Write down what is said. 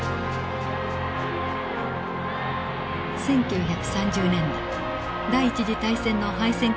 １９３０年代第一次大戦の敗戦国